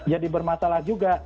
jadi bermasalah juga